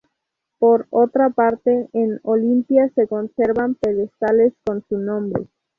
Por otra parte, en Olimpia se conservan pedestales con su nombre.